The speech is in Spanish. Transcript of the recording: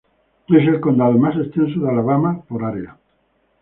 Es el condado más extenso de Alabama por área.